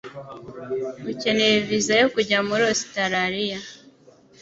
Ukeneye viza yo kujya muri Ositaraliya?